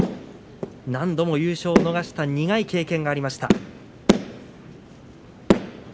何度も優勝を逃した苦い経験がありました。